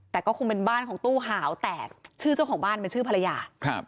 แต่ก็คงเป็นบ้านของตู้หาวแตกชื่อเจ้าของบ้านเป็นชื่อภรรยาครับ